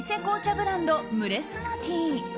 ブランドムレスナティー。